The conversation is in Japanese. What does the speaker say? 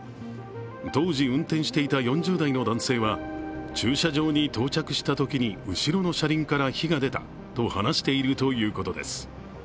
当時、運転していた４０代の男性は駐車場に到着したときに後ろの車輪から火が出たと話しているということです。